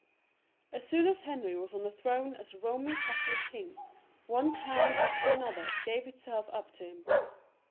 As soon as Henry was on the throne as a Eoman Catholic king, one town after another gave itself up to him.